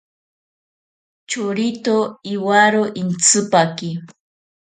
Chorito iwaro intsipaki.